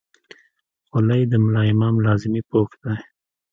خولۍ د ملا امام لازمي پوښ دی.